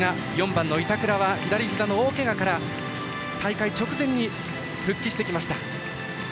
４番の板倉は左ひざの大けがから大会直前に復帰してきました。